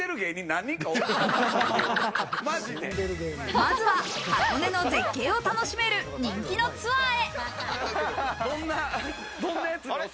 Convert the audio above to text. まずは箱根の絶景を楽しめる人気のツアーへ。